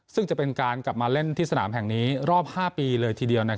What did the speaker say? ซึ่งจะเป็นการกลับมาเล่นที่สนามแห่งนี้รอบ๕ปีเลยทีเดียว